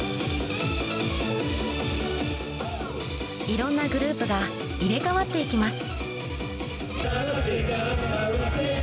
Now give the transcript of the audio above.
いろんなグループが入れ替わって行きます